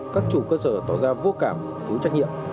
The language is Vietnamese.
các chủ cơ sở tỏ ra vô cảm thiếu trách nhiệm